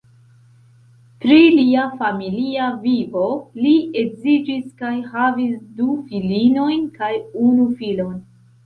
Pri lia familia vivo: li edziĝis kaj havis du filinojn kaj unu filon.